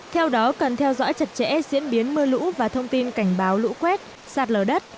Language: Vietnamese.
theo đó cần theo dõi chặt chẽ diễn biến mưa lũ và thông tin cảnh báo lũ quét sạt lở đất